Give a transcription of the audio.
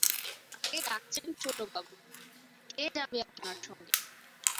কাকে ডাকছেন ছোটবাবু, কে যাবে আপনার সঙ্গে?